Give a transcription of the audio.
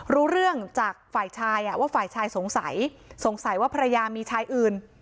รู้เรื่องจากฝ่ายชายว่าฝ่ายชายสงสัยสงสัยว่าภรรยามีชายอื่น